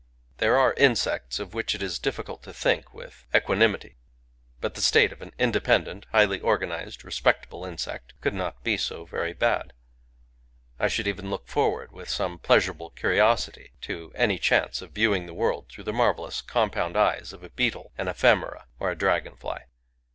There are insects of which it is diffi cult to think with equanimity ; but the state of an independent, highly organized, respectable insect could not be so very bad. I should even look forward, with some pleasurable curiosity, to any Digitized by Googk GAKI 197 chance of viewing the world through the marvellous compound eyes of a beetle, an ephemera, or a dragon fly.